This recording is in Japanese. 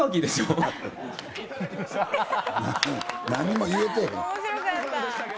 なんも言えてへん。